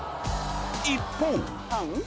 ［一方］